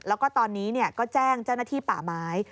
แล้วก็ตอนนี้ก็แจ้งเจ้าหน้าที่ป่าไม้